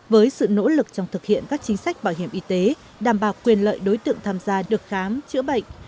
với sự nỗ lực trong thực hiện các chính sách bảo hiểm y tế đảm bảo quyền lợi đối tượng tham gia được khám chữa bệnh